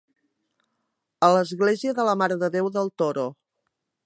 A l'església de la Mare de Déu del Toro.